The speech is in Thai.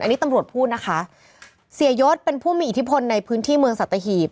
อันนี้ตำรวจพูดนะคะเสียยศเป็นผู้มีอิทธิพลในพื้นที่เมืองสัตหีบ